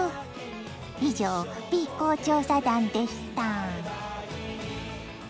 以上Ｂ公調査団でした。